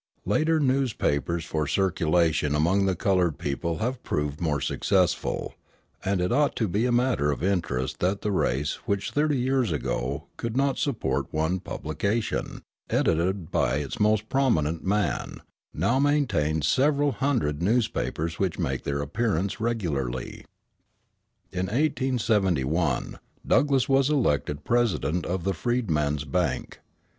Later newspapers for circulation among the colored people have proved more successful; and it ought to be a matter of interest that the race which thirty years ago could not support one publication, edited by its most prominent man, now maintains several hundred newspapers which make their appearance regularly. In 1871 Douglass was elected president of the Freedmans Bank.